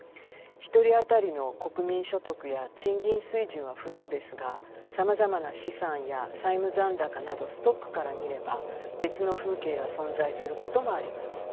１人当たりの国民所得や賃金水準はフローですがさまざまな資産や債務残高などストックから見れば別の風景が存在することもあります。